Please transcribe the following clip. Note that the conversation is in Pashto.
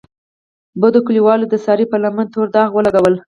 بدو کلیوالو د سارې په لمنه تور داغ ولګولو.